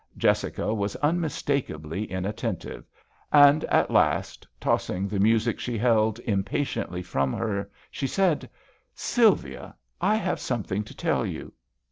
Jessica was unmistakably inattentive, and at last, tossing the music she held impatiently from her, she said :" Sylvia, I have something to tell you."